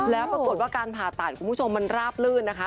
แล้วปรากฏว่าการผ่าตัดคุณผู้ชมมันราบลื่นนะคะ